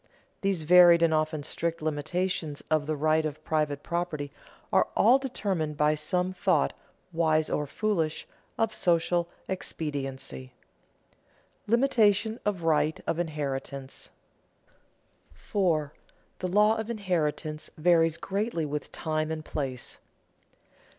These varied and often strict limitations of the right of private property are all determined by some thought, wise or foolish, of social expediency. [Sidenote: Limitation of right of inheritance] 4. _The law of inheritance varies greatly with time and place.